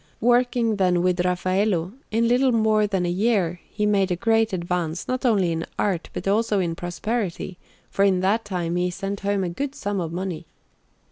Working, then, with Raffaello, in little more than a year he made a great advance, not only in art, but also in prosperity, for in that time he sent home a good sum of money.